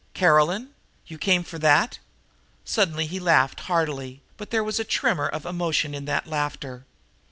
"Caroline? You came for that?" Suddenly he laughed heartily, but there was a tremor of emotion in that laughter.